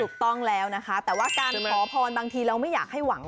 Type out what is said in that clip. ถูกต้องแล้วนะคะแต่ว่าการขอพรบางทีเราไม่อยากให้หวัง